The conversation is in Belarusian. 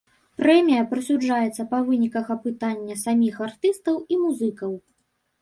Прэмія прысуджаецца па выніках апытання саміх артыстаў і музыкаў.